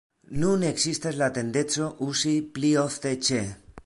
Nun ekzistas la tendenco uzi pli ofte "ĉe".